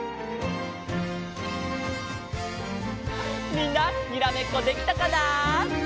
みんなにらめっこできたかな？